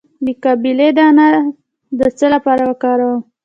د باقلي دانه د څه لپاره وکاروم؟